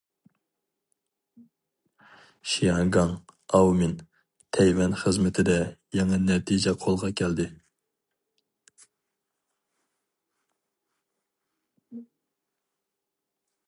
شياڭگاڭ، ئاۋمېن، تەيۋەن خىزمىتىدە يېڭى نەتىجە قولغا كەلدى.